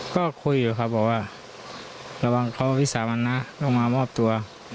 ก็คุยอยู่ครับบอกว่าระวังเขาวิสามันนะต้องมามอบตัว